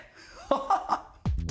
ハハハ！